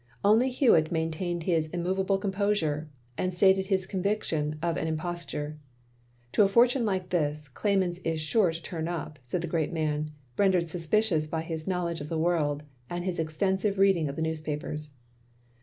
Only Hewitt maiatained his immovable com posure, and stated his conviction of an imposture. "To a forttme like this, claimants is sure to turn up, " said the great man, rendered suspicious by his knowledge of the world, and his extensive reading of the newspapers.